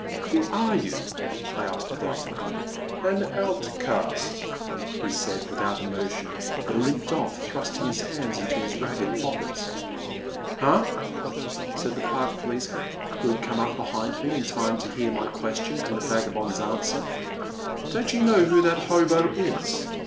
*' Who are you ?I asked abruptly. 312 A Pleasant Evening. An outcast/' he said, without emotion, and limped off thrusting his hands into his ragged pockets. '^ Huh !'* said the Park policeman who had come up behind me in time to hear my question and the vagabond's answer; '* don't you know who that hobo is?